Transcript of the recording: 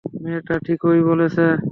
মেয়েটা ঠিকই বলেছে।